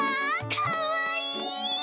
かわいい！